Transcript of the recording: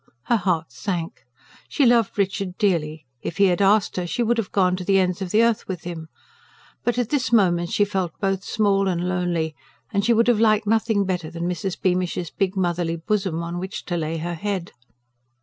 Her heart sank. She loved Richard dearly; if he had asked her, she would have gone to the ends of the earth with him; but at this moment she felt both small and lonely, and she would have liked nothing better than Mrs. Beamish's big motherly bosom, on which to lay her head.